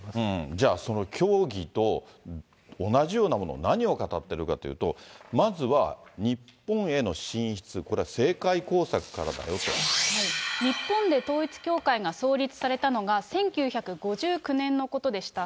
じゃあ、その教義と同じようなもの、何を語ってるかというと、まずは日本への進出、これは政界工作か日本で統一教会が創立されたのが１９５９年のことでした。